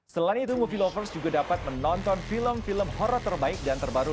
selain itu movie lovers juga dapat menonton film film horror terbaik dan terbaru